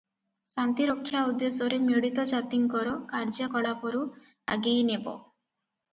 ଶାନ୍ତିରକ୍ଷା ଉଦ୍ଦେଶ୍ୟରେ ମିଳିତ ଜାତିଙ୍କର କାର୍ଯ୍ୟକଳାପରୁ ଆଗେଇ ନେବ ।